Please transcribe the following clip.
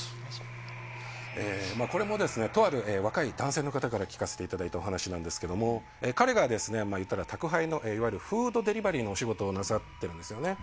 これもとある若い男性の方から聞かせていただいたお話なんですけども彼が、いったら宅配のフードデリバリーのお仕事をなさっているんですね。